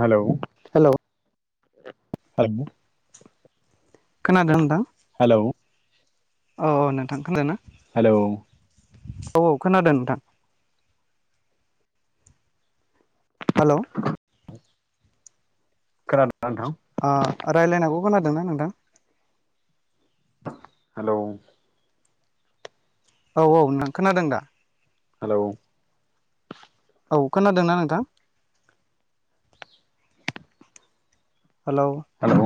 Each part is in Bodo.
Hello hello hello. खोनादों नोंथां। हेलौ। अ औ नोंथां खोनादों ना? हेलौ औ औ खोनादों नोंथां। हेलौ खोनादों ना नोंथां। ओ रायलायनायखौ खोनादोंना नोंथां। हेलौ। औ औ नोंथां खोनादों दा? हेलौ। औ खोनादोंना नोंथा? हेलौ। हेलौ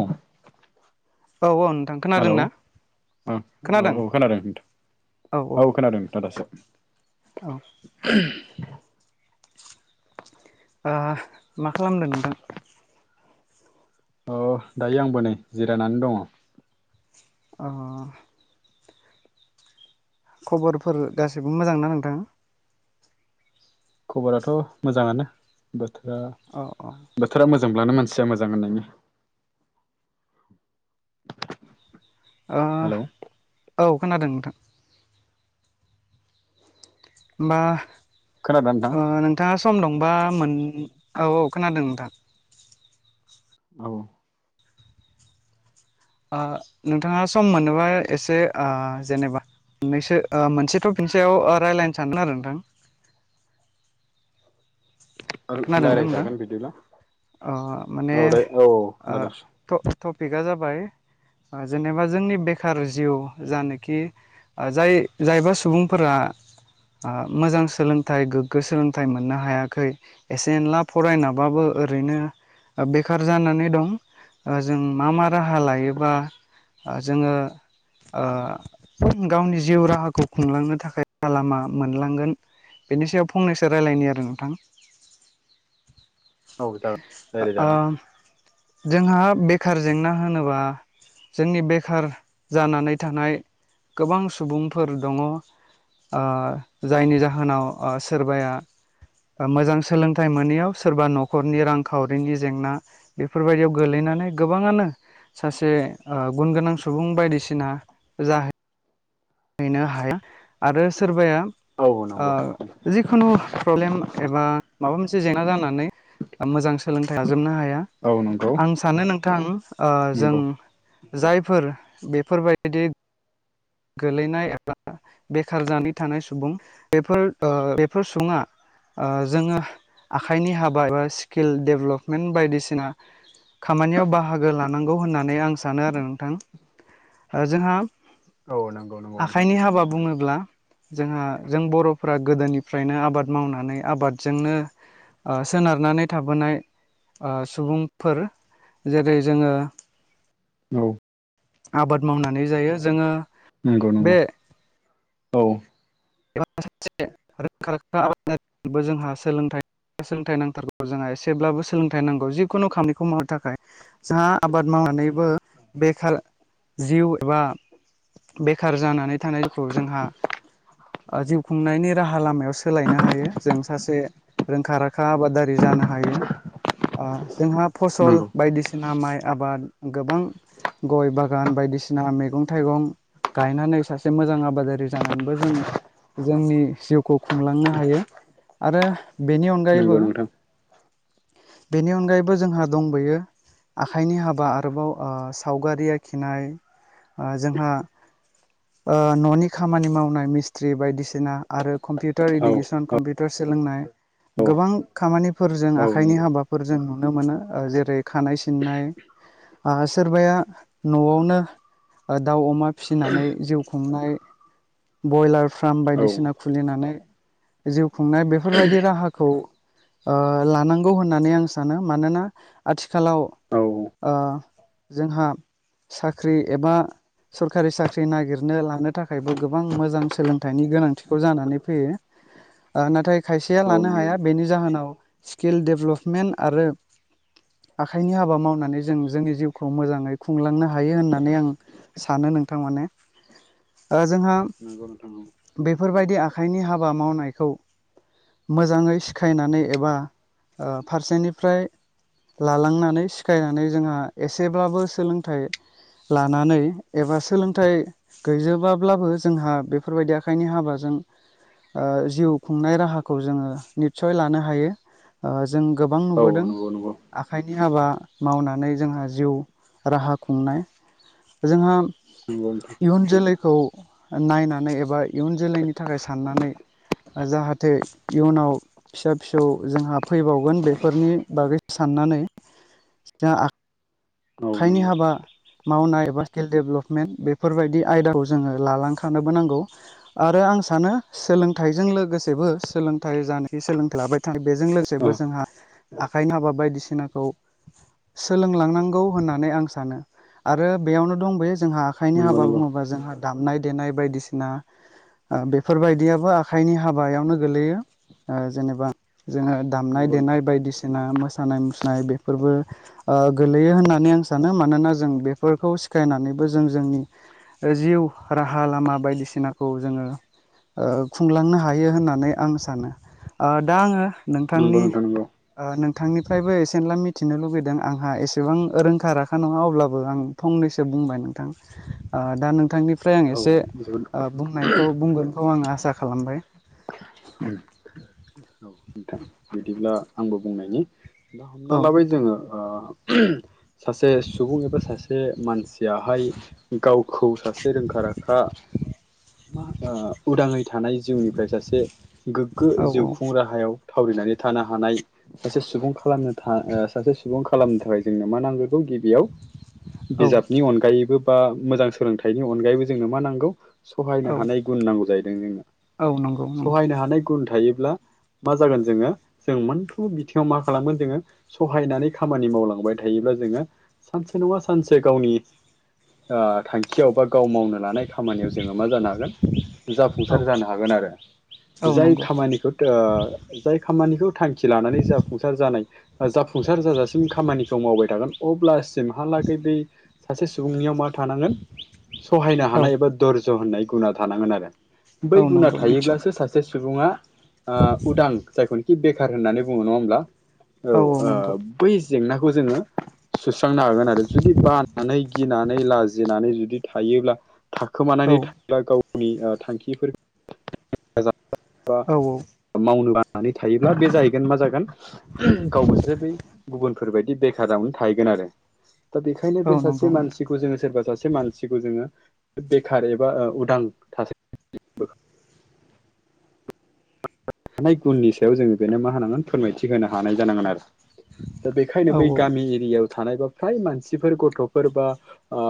औ ओ। हेलौ औ औ खोनादों औ खोनादों नोंथां दासो। औ [unintelligible] ओ मा खालामदों नोंथां? अ दायो आंबो नै जिरायनानै दङ'। अ अ। खबरफोर गासैबो मोजां ना नोंथां? खबराथ' मोजाङानो बोथोरा औ औ बोथोरा मोजांब्लानो मान- सिया मोजां होननायनि हेलौ ओ औ खोनादों नोंथां। होमबा खोनादोंना नोंथां ओ नोंथाङा सम दं बा मोन औ औ खोनादों नोंथां। औ। ओ नोंथाङा सम मोनोबा एसे जेनेबा मोननैसो ओ मोनसे थ'पिकनि सायाव ओ रायलायनो सानदों आरो नोंथां। [inaudible] खोनादोंना नोंथां रायज्लायजागोन बिदिब्ला ओ माने औ दे औ ओ खोनादों थ टपिकआ जाबाय ओ जेनेबा जोंनि बेखार जिउ जानोखि जाय जायबा सुबुंफोरा ओ मोजां सोलोंथाइ गोग्गो सोलोंथाइ मोननो हायाखै एसे एनला फरायनाबाबो ओ ओरैनो बेखार जानानै दं। जों मा मा राहा लायोबा जोङो ओ गावनि जिउ राहाखौ खुंलांनो थाखाय राहा लामा मोनलांगोन। बेनि सायाव फंनैसो रायलायनि आरो नोंथां। औ जागोन रायलाय ओ जागोन। जोंहा बेखार जेंना होनोबा जोंनि बेखार जानानै थानाय गोबां सुबुंफोर दङ ओ जायनि जाहोनाव ओ सोरबाया ओ मोजां- सोलोंथाइ मोनैयाव सोरबा न'खरनि रांखावरिनि जेंना बेफोरबायदियाव गोलैनानै गोबाङानो सासे ओ गुनगोनां सुबुं बायदिसिना जाहै नो हाया आरो सोरबाया औ नंगौ ओ जिखुनु प्रब्लेम एबा माबा मोनसे जेंना जानानै मोजां सोलोंथाइ लाजोबनो हाया। औ नंगौ आं सानो नोंथां ओ जों नंगौ जायफोर। बेफोरबायदि गोलैनाय एबा बेखार जानानै थानाय सुबुं बेफोर ओ बेफोर सुबुङा ओ जोङो आखाइनि हाबा एबा स्किल डेभलपमेन्ट बायदिसिना खामानियाव बाहागो लानांगौ होननानै आं सानो आरो नोंथां ओ जोंहा औ नंगौ नंगौ नोंथां आखाइनि हाबा बुङोब्ला जोंहा जों बर'फोरा गोदोनिफ्रायनो आबाद मावनानै आबादजोंनो ओ सोनारनानै थाबोनाय ओ सुबुंफोर जेरै जोङो औ आबाद मावनानै जायो जोङो नंगौ नंगौ बे औ ओ सासे रोखा रोखा आबादारिबो जोंहा सोलोंथाइ सोलोंथाइ नांथारगौ जोंहा एसेब्लाबो सोलोंथाइ नांगौ जिखुनु खामानिखौ मावनो थाखाय जोंहा आबाद माव नानैबो बेखार जिउ एबा बेखार जानानै थानायफोरखौ जोंहा ओ जिउ खुंनायनि राहा लामायाव सोलायनो हायो जों सासे रोंखा राखा आबादारि जानो हा हायो ओ जोंहा फसल नंगौ बायदि सिना माइ आबाद गोबां गय बागान बायदिसिना मैगं थाइगं गायनानै सासे मोजां आबादारि जानानैबो जों जोंनि जिउखौ खुंलांनो हायो आरो बेनि अनगायैबो नंगौ नोंथां बेनि अनगायैबो जोंहा दंबोयो। आखाइनि हाबा आरोबाव ओ सावगारि आखिनाय ओ जोंहा ओ न'नि खामानि मावनाय मिस ट्रि बायदिसिना आरो कम्पिउटार औ इडुकेसन कम्पिउटार सोलोंनाय औ गोबां खामानिफोरजों औ आखाइनि नंगौ हाबाफोर जों नुनो मोनो ओ जेरै खानाय सिननाय ओ सोरबाया न'आवनो दाउ अमा फिसिनानै जिउ खुंनाय ब्रयलार फार्म औ बायदिसिना खुलिनानै जिउ खुंनाय बेफोरबायदि राहा खौ ओ लानांगौ होननानै आं सानो मानोना आथिखालाव औ ओ जोंहा साख्रि एबा सरखारि साख्रि नागिरनो लानो थाखायबो गोबां मोजां सोलों थायनि गोनांथिखौ जानानै फैयो। ओ नाथाय खायसेया औ लानो नंगौ हाया बेनि जाहोनाव स्किल दडेभेलपमेन्ट आरो आखाइनि हाबा मावनानै जों जोंनि जिउखौ मोजाङै खुंलांनो हायो होननानै आं सानो। नोंथां माने जोंहा नंगौ नोंथां बेफोरबायदि आखाइनि हाबा मावनायखौ मोजाङै सिखायनानै एबा ओ फारसेनिफ्राय लालांनानै सिखायनानै जोंहा एसेब्लाबो सोलोंथाइ लानानै एबा सोलोंथाइ गैजोबाब्लाबो जोंहा बे बेफोरबायदि आखाइनि हाबाजों ओ जिउ खुंनाय राहाखौ जोङो निसय लानो हायो। जों गोबां औ नुबोदों नंगौ नंगौ आखाइनि हाबा मावनानै जोंहा जिउ राहा खुंनाय जोंहा नंगौ नोंथां इयुन जोलैखौ नायनानै एबा इयुन जोलैनि थाखाय साननानै जाहाथे इयुनाव फिसा फिसौ जोंहा फैबावगोन बेफोरनि बागै साननानै जोंहा औ नंगौ आखाइनि हाबा मावनाय एबा स्किल डेभेलपमेन्ट बेफोरबायदि आयदाखौ जोङो लालांखानोबो नांगौ आरो आं सानो। सोलोंथाइजों लोगोसेबो सोलोंथाइ जानाय सोलोंथाइ लाबाय थानाय बेजों लोगोसेबो जोंहा आखाइ हाबा बायदिसिनाखौ सोलोंलांनांगौ होननानै आं सानो आरो बेयावनो दं बेयो जोंहा आखाइनि नंगौ नंगौ हाबा बुङोबा जोंहा दामनाय देनाय बायदिसिना बेफोरबायदियाबो आखाइनि हाबायावनो गोलैयो जेनेबा जोङो दामनाय नोंथां देनाय बायदिसिना मोसानाय मुसुरनाय बेफोरबो गोलैयो होननानै होननानै आं सानो मानोना जों बेफोरखौ सिखायनानैबो जों जोंनि जिउ राहा लामा बायदिसिनाखौ जोङो खुंलांनो हायो होननानै आं सानो दा आङो नंगौ नोंथांनि नोंथां नंगौ नोंथांनिफ्रायबो एसेनला मिथिनो लुगैदों आंहा एसेबां रोंखा राखा नङा अब्लाबो आं फंनैसो बुंबाय नोंथां दा नोंथांनि फ्राय आं औ एसे जोबोद बुंनायखौ बुंगोनखौ आं आसा खालामबाय [unintelligible] नोंथां बिदिब्ला आंबो बुंनायनि दा हमना औ लाबाय नोंथां जोङो सासे सुबुं एबा सासे मानसियाहाय गावखौ सासे रोंखा -राखा उदाङै थानाय जिउनिफ्राय सासे गोग्गो औ जिउ खुं राहायाव थावरिनानै थानो हानाय सासे सुबुं खालामनो सासे सुबुं खालामनो थाखाय जोंनो मा नांगोरगौ गिबियाव औ बिजाबनि अनगायैबो बा मोजां सोलोंथाइनि अनगायैबो जोंनो मा नांगौ औ सहायनो औ हानाय गुन नांगौ जाहैदों जोंना औ नंगौ नंगौ सहायनो हानाय गुन थायो। ब्ला मा जागोन जोङो जों मोनफ्रोमबो बिथिङाव मा खालामगोन जोङो सहायनानै खामानि मावलांबाय थायोब्ला जोङो सानसे से नङा सानसे गावनि थांखियाव बा गाव मावनो लानाय खामानियाव जोङो मा जानो हागोन औ जाफुंसार जानो हागोन आरो औ जाय नंगौ खामानिखौ जाय खामानिखौ थांखि लानानै जाफुंसार जानाय जाफुंसार जाजासिम खामानिखौ मावबाय थागोन अब्लासिम हालागै बै सासे सुबुंनियाव मा थानांगोन सहायनो औ हानाय एबा दर होननाय गुना थानांगोन आरो बै औ गुना नंगौ निस्सय थायोब्लासो सासे सुबुङा उदां जायखौनोखि बे बेखार होननानै बुङो नङा ओमब्ला औ बै जेंनाखौ जोङो सुस्रांनो हागोन आरो जुदि बानानै गिनानै लाजिनानै जुदि थायोब्ला औ थाखोमानानै थायोब्ला गावनि ओ थांखिफोर औ मावनो बानानै थायो। बे जाहैगोन मा जागोन गावबोसो बै गुबुनफोरबायदि बेखारावनो थाहैगोन आरो। दा बेखायनो औ बे सासे नंगौ नोंथां मानसिखौ जोङो सोरबा सासे सासे मानसिखौ जोङो बेखार एबा उदां थासारि हानाय गुननि सायाव जोङो बेनो मा होनांगोन फोरमायथि होनो हानाय जानांगोन आरो दा बेखायनो औ बै गामि एरियायाव थानाय बा फ्राय मानसिफोर गथ'फोर बा ओ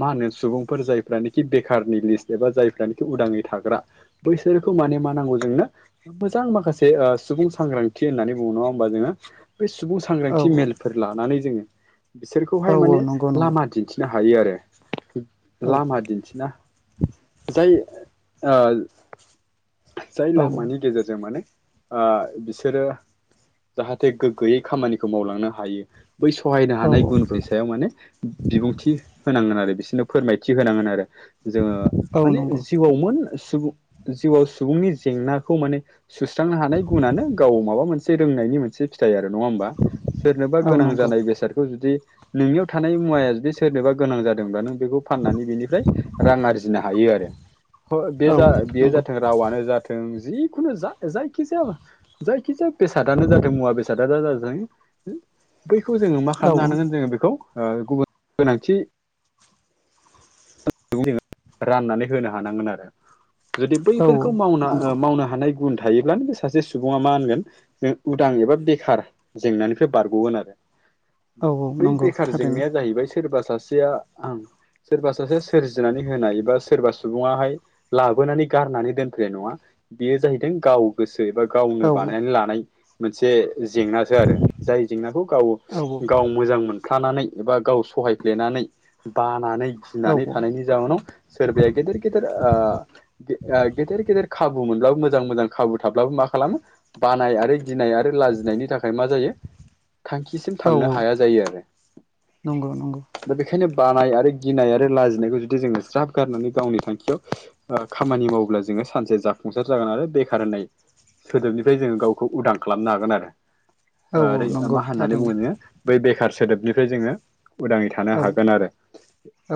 मा होनो सुबुंफोर जायफ्रानोखि बेखार बा जाय उदाङै थाग्रा बैसोरखौ माने मा नांगौ जोंनो मोजां माखासे ओ सुबुं सांग्रांथि होननानै बुङो नङा होमबा जोङो? बे सुबुं औ सांग्रांथि मेलफोर लानानै जोङो औ बिसोरखौहाय औ माने नंगौ नंगौ लामा दिन्थिनो हायो आरो। औ लामा दिन्थिना जाय ओ जाय औ लामानि गेजेरजों माने ओ बिसोरो जाहाथे गोग्गोयै खामानिखौ मावलांनो हायो। बै सहायनो औ हानाय गुनफोर सायाव माने बिबुंथि होनांगोन आरो बिसोरनो फोरमायथि होनांगोन आरो। जोङो औ माने नंगौ जिउआवमोन सुबुं जिउआव सुबुंनि जेंनाखौ माने सुस्रांनो हानाय गुनानो गाव माबा मोनसे रोंनायनि मोनसे फिथाइ आरो नङा होमबा सोरनोबा औ गोनां नंगौ औ नंगौ जानाय बेसादखौ जुदि नोंनियाव थानाय मुवाया जुदि सोरनोबा गोनां जादोंबा नों बेखौ फाननानै बेनिफ्राय रां आरजिनो हायो आरो बे औ जा बेयो जाथों औ रावानो जाथों जिखुनु जा जायखिजाया जायखिजाया बेसादानो जाथों मुवा बेसादआनो जाथों बैखौ जोङो मा खालामनो हानांगोन जोङो बेखौ ओ गुबुन गोनांथि जोङो राननानै होनो हानांगोन आरो। जुदि औ औ बैफोरखौ मावना नंगौ ओ मावनो हानाय गुन थायोब्लानो बे सासे सुबुङा मा होनगोन जों उदां एबा बेखार जेंनानिफ्राय बारग'गोन आरो। औ औ बै नंगौ बेखार थारैनो जेंनाया जाहैबाय सोरबा सासेया ओ सोरबा सासे सोरजिनानै होनाय बा सोरबा सुबुङाहाय लाबोनानै गारनानै दोनफैनाय नङा। बेयो जाहैदों गाव गोसो एबा औ गावनो बानायनानै लानाय मोनसे जेंनासो आरो जाय जेंनाखौ गाव औ गाव मोजां मोन फ्लानानै एबा गाव सहायफ्लेनानै बानानै औ गिनानै थानायनि जनाव सोरबाया गेदेर गेदेर गेदेर गेदेर खाबु खाबु मोनब्लाबो मोजां मोजां खाबु थाब्लाबो मा खालामो बानाय आरो गिनाय आरो लाजिनायनि थाखाय मा जायो? थांखिसिम औ थांनो हाया जायो आरो नंगौ नंगौ दा बेखायनो बानाय आरो गिनाय आरो लाजिनायखौ जुदि जोङो ज्राब गारनानै गावनि थांखियाव खामानि मावोब्ला जों सानसे जाफुंसार जागोन आरो बेखार होननाय सोदोबनिफ्राय जोङो गावखौ उदां खालामनो हागोन आरो औ ओ औ ओरै नंगौ मा होननानै थारैनो बुङो जोङो बै बेखार सोदोबनिफ्राय जोङो उदाङै थानो औ हागोन आरो। औ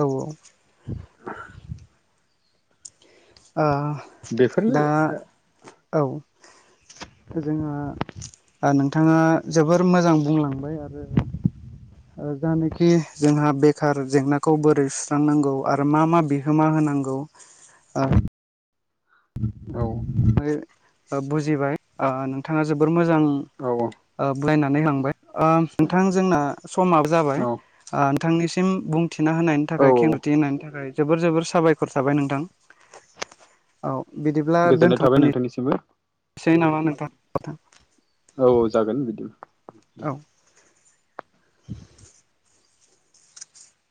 ओ दा बेफोरनो औ जोंहा नोंथाङा जोबोर मोजां बुंलांबाय आरो। जानेखि जोंहा बेखार जेंनाखौ बोरै सुस्रांनांगौ आरो मा मा बिहोमा होनांगौ ओ औ बुजिबाय ओ नोंथाङा जोबोर मोजां औ ओ यनानै लांबाय ओ नोंथां जोंना समा जाबाय औ ओ नोंथांनिसिम बुं थिना होनायनि थाखाय औ खेंफोरथि होनायनि थाखाय जोबोर जोबोर साबायखर थाबाय नोंथां औ बिदिब्ला गोजोननाय दोन्थ' थाबाय नोंथांनिसिमबो। सै नामा नोंथां? औ जागोन बिदि औ